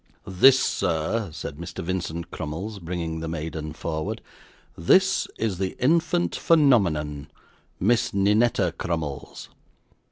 'This, sir,' said Mr. Vincent Crummles, bringing the maiden forward, 'this is the infant phenomenon Miss Ninetta Crummles.